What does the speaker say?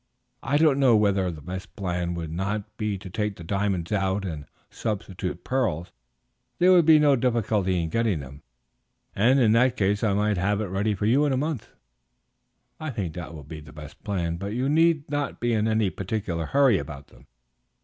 I do not know whether the best plan would not be to take the diamonds out and substitute pearls; there would be no difficulty in getting them, and in that case I might have it ready for you in a month." "I think that will be the best plan; but you need not be in any particular hurry about them.